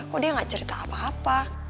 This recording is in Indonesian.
kok dia gak cerita apa apa